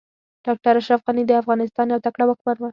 ډاکټر اشرف غني د افغانستان يو تکړه واکمن و